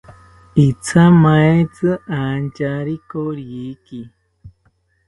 Ithamaetzi rantyari koriki